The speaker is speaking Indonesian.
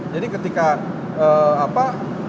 jadi ketika apa